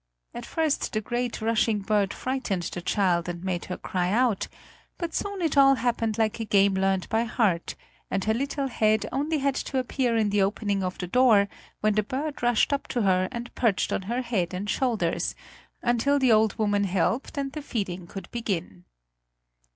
At first the great, rushing bird frightened the child and made her cry out; but soon it all happened like a game learned by heart, and her little head only had to appear in the opening of the door, when the bird rushed up to her and perched on her head and shoulders, until the old woman helped and the feeding could begin.